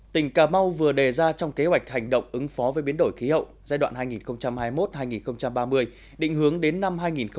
tỉnh cà mau vừa đề ra trong kế hoạch hành động ứng phó với biến đổi khí hậu giai đoạn hai nghìn hai mươi một hai nghìn ba mươi định hướng đến năm hai nghìn bốn mươi